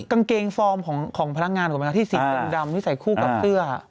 กางเกงฟอร์มของพนักงานถูกไหมคะที่สีดำที่ใส่คู่กับเสื้อ